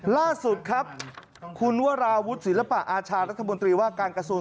ล่าสุดครับคุณวราวุฒิศิลปะอาชารัฐมนตรีว่าการกระทรวง